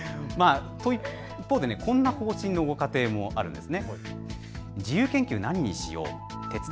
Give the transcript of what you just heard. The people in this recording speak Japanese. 一方でこんな方針のご家庭もあるんです。